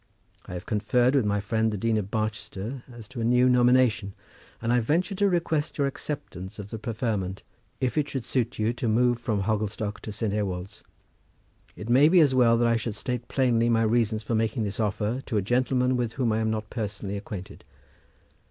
I have conferred with my friend the Dean of Barchester as to a new nomination, and I venture to request your acceptance of the preferment, if it should suit you to move from Hogglestock to St. Ewolds. It may be as well that I should state plainly my reasons for making this offer to a gentleman with whom I am not personally acquainted.